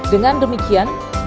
dengan demikian balitbank com br